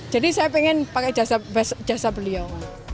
jadi saya pengen pakai jasa beliau